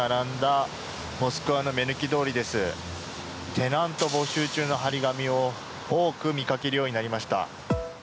テナント募集中の貼り紙を多く見かけるようになりました。